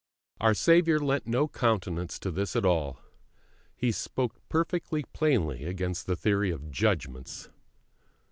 Our Saviour lent no countenance to this at all; He spoke perfectly plainly against the theory of "judgments."